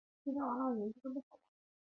元朝至元十四年升池州为池州路。